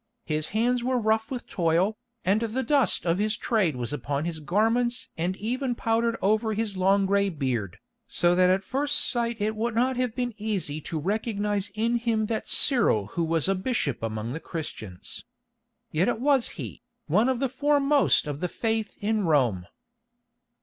His hands were rough with toil, and the dust of his trade was upon his garments and even powdered over his long gray beard, so that at first sight it would not have been easy to recognise in him that Cyril who was a bishop among the Christians. Yet it was he, one of the foremost of the Faith in Rome.